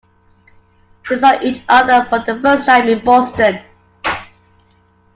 They saw each other for the first time in Boston.